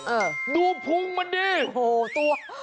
เออดูพุงมันดีโอ้โหตัว